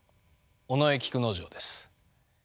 尾上菊之丞です。